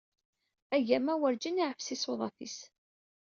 Agama werǧin iɛeffes isuḍaf-is.